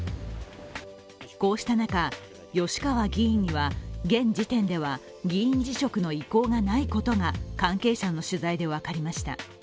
こうした中、吉川議員には現時点では議員辞職の意向がないことが関係者の取材で分かりました。